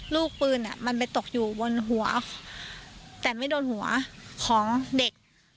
ลูกปืนอ่ะมันไปตกอยู่บนหัวแต่ไม่โดนหัวของเด็ก